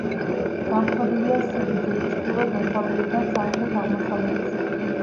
დამხრობილია სიგრძივ, ჩრდილო-დასავლეთიდან სამხრეთ-აღმოსავლეთისაკენ.